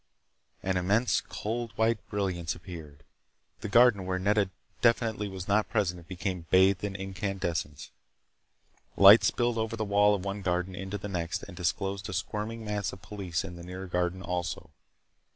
An immense, cold white brilliance appeared. The garden where Nedda definitely was not present became bathed in incandescence. Light spilled over the wall of one garden into the next and disclosed a squirming mass of police in the nearer garden also.